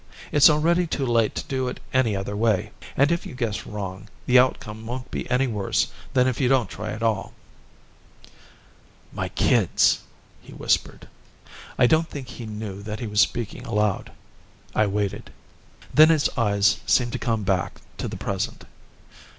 It's already too late to do it any other way. And if you guess wrong, the outcome won't be any worse than if you don't try at all." "My kids," he whispered. I don't think he knew that he was speaking aloud. I waited. Then his eyes seemed to come back to the present.